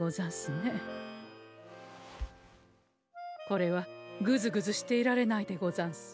これはぐずぐずしていられないでござんす。